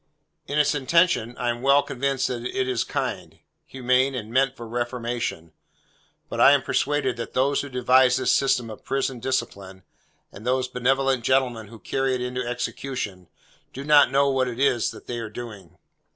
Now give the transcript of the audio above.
In its intention, I am well convinced that it is kind, humane, and meant for reformation; but I am persuaded that those who devised this system of Prison Discipline, and those benevolent gentlemen who carry it into execution, do not know what it is that they are doing.